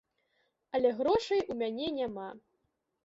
Але грошай у мяне няма.